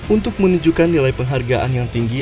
untuk menunjukkan nilai penghargaan yang tinggi